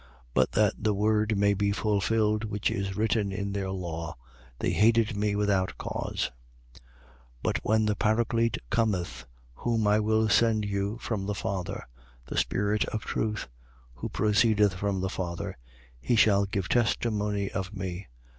15:25. But that the word may be fulfilled which is written in their law: they hated me without cause. 15:26. But when the Paraclete cometh, whom I will send you from the Father, the Spirit of truth, who proceedeth from the Father, he shall give testimony of me.